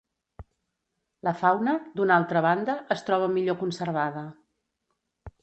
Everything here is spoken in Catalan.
La fauna, d'una altra banda, es troba millor conservada.